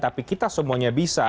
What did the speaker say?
tapi kita semuanya bisa